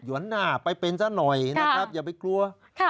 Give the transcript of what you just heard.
วนหน้าไปเป็นซะหน่อยนะครับอย่าไปกลัว